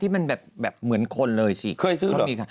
มันแบบเหมือนคนเลยเคยซื้อเหรอ